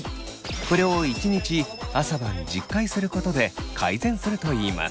これを１日朝晩１０回することで改善するといいます。